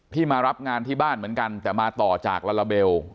มารับงานที่บ้านเหมือนกันแต่มาต่อจากลาลาเบล